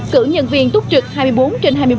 cử nhân viên túc trực hai mươi bốn trên hai mươi bốn